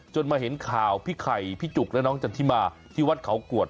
มาเห็นข่าวพี่ไข่พี่จุกและน้องจันทิมาที่วัดเขากวด